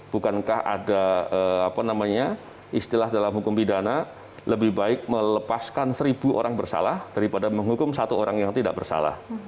bukankah ada apa namanya istilah dalam hukum pidana lebih baik melepaskan seribu orang bersalah daripada menghukum satu orang yang tidak bersalah